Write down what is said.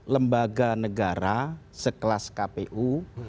lembaga negara sekelas kpu